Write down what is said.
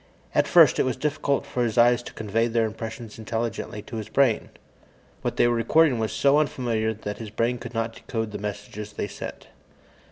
At first, it was difficult for his eyes to convey their impressions intelligently to his brain. What they were recording was so unfamiliar that his brain could not decode the messages they sent.